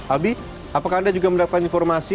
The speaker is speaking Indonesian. albi apakah anda juga mendapatkan informasi